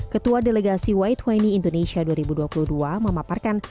ketua delegasi y dua puluh indonesia dua ribu dua puluh dua memaparkan